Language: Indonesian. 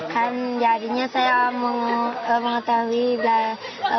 kan jadinya saya mengetahui bahasa lebih banyak lagi